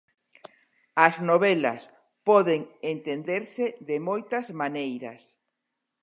As novelas poden entenderse de moitas maneiras.